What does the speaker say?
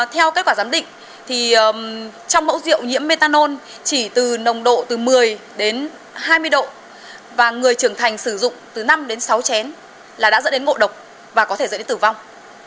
theo kết quả giám định trong mẫu rượu nhiễm metanol chỉ từ nồng độ từ một mươi đến hai mươi độ và người trưởng thành sử dụng từ năm đến sáu chén là đã dẫn đến ngộ độc và có thể dẫn đến tử vong